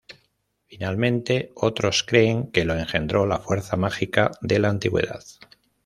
Finalmente, otros creen que lo engendró la fuerza mágica de la antigüedad.